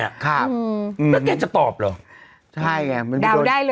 แล้วแกจะตอบเหรอ